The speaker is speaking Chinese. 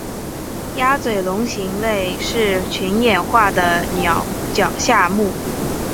鸭嘴龙形类是群衍化的鸟脚下目。